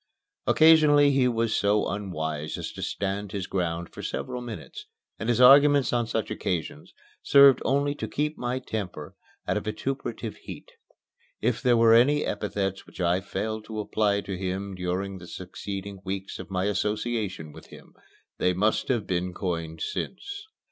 Occasionally he was so unwise as to stand his ground for several minutes, and his arguments on such occasions served only to keep my temper at a vituperative heat. If there were any epithets which I failed to apply to him during the succeeding weeks of my association with him, they must have been coined since.